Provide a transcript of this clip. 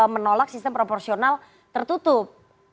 menolak sistem proporsional tertutup